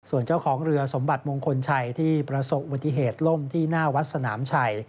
ส่วนเจ้าของเรือสมบัติมงคลชัยที่ประสบอุบัติเหตุล่มที่หน้าวัดสนามชัย